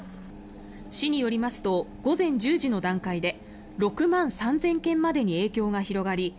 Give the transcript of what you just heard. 市によりますと午前１０時の段階で６万３０００軒までに影響が広がり